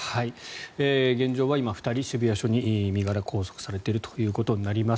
現状は今、２人渋谷警察署に身柄が拘束されているということです。